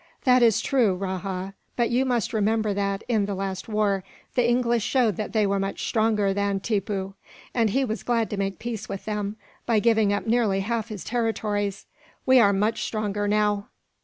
"That is true, Rajah; but you must remember that, in the last war, the English showed that they were much stronger than Tippoo; and he was glad to make peace with them, by giving up nearly half his territories. We are much stronger now.